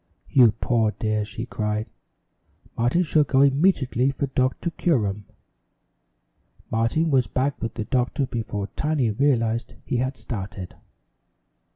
"You poor dear!" she cried. "Martin shall go immediately for Doctor Curum." Martin was back with the doctor before Tiny realized he had started.